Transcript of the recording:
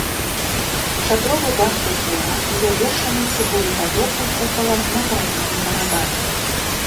Шатровы дах прытвора завершаны цыбулепадобным купалам на гранёным барабане.